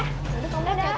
ya udah kamu berjati ya